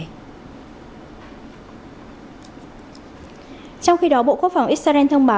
trong khi đó bộ quốc phòng israel thông báo đã tấn công các biện pháp này